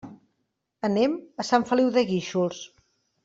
Anem a Sant Feliu de Guíxols.